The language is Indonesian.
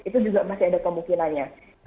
itu juga masih ada kemungkinannya